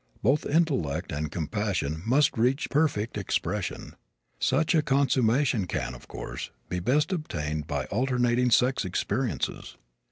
Both intellect and compassion must reach perfect expression. Such a consummation can, of course, be best attained by alternating sex experiences.